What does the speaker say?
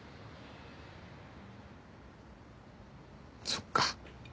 そっか。